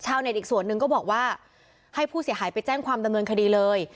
เน็ตอีกส่วนหนึ่งก็บอกว่าให้ผู้เสียหายไปแจ้งความดำเนินคดีเลย